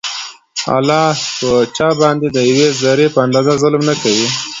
الله په چا باندي د يوې ذري په اندازه ظلم نکوي